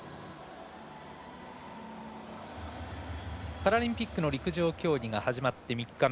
パラリンピックの陸上競技が始まって３日目。